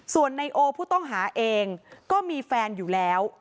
ส่วนนายโอผู้ต้องหาเองก็มีแฟนอยู่แล้ว